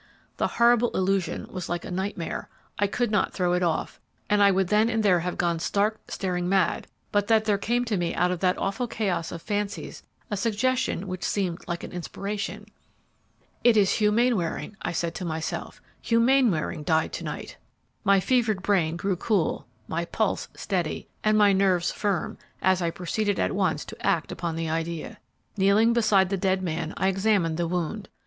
The horrible illusion was like a nightmare; I could not throw it off, and I would then and there have gone stark, staring mad, but that there came to me out of that awful chaos of fancies a suggestion which seemed like an inspiration. 'It is Hugh Mainwaring,' I said to myself, 'Hugh Mainwaring died to night!' "My fevered brain grew cool, my pulse steady, and my nerves firm as I proceeded at once to act upon the idea. Kneeling beside the dead man, I examined the wound.